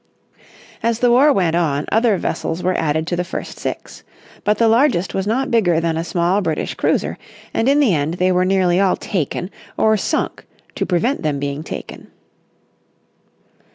As the war went on other vessels were added to the first six. But the largest was not bigger than a small British cruiser, and in the end they were nearly all taken, or sunk to prevent them being taken.